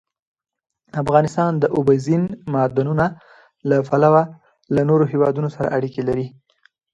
افغانستان د اوبزین معدنونه له پلوه له نورو هېوادونو سره اړیکې لري.